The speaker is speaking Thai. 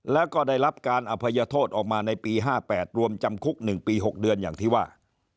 แล้วก็ได้รับการอภัยโทษออกมาในปี๕๘รวมจำคุก๑ปี๖เดือนอย่างที่ว่า